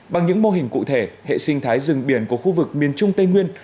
bằng những mô hình cụ thể hệ sinh thái rừng biển của khu vực miền trung tây nguyên